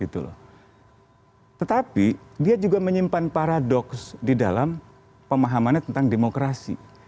tetapi dia juga menyimpan paradoks di dalam pemahamannya tentang demokrasi